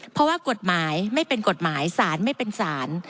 เพราะว่ากฎหมายไม่เป็นกฎหมายสารไม่เป็นสาร